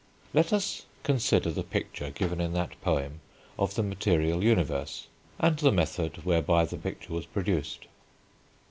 Let us consider the picture given in that poem of the material universe, and the method whereby the picture was produced.